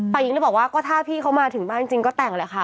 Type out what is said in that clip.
หญิงเลยบอกว่าก็ถ้าพี่เขามาถึงบ้านจริงก็แต่งแหละค่ะ